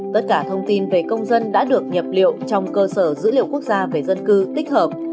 tất cả thông tin về công dân đã được nhập liệu trong cơ sở dữ liệu quốc gia về dân cư tích hợp